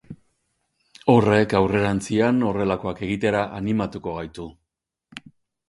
Horrek aurrerantzean horrelakoak egitera animatuko gaitu.